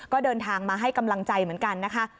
ก็เดินทางมาให้กำลังใจเหมือนกันนะคะ